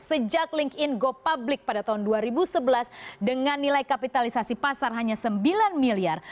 sejak linkedin go public pada tahun dua ribu sebelas dengan nilai kapitalisasi pasar hanya sembilan miliar